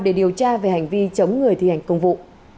để điều tra về hành vi chống người thi hành công vụ